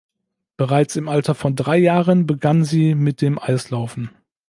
Bereits im Alter von drei Jahren begann sie mit dem Eislaufen.